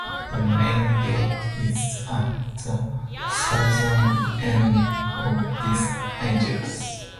The main gate is at the southern end of this axis.